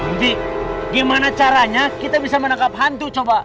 nanti gimana caranya kita bisa menangkap hantu coba